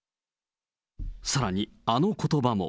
さらにあのことばも。